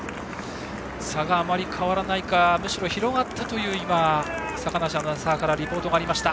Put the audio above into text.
差があまり変わらないかむしろ広がったという坂梨アナウンサーからリポートがありました。